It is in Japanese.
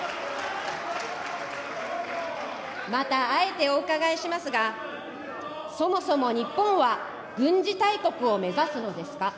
また、あえてお伺いしますが、そもそも日本は軍事大国を目指すのですか。